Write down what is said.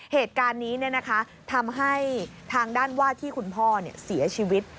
เหตุการณ์นี้ทำให้ทางด้านว่าที่คุณพ่อเสียชีวิต